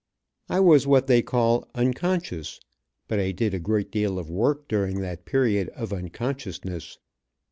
I was what they call un . conscious, but I did a great deal of work during that period of unconsciousness.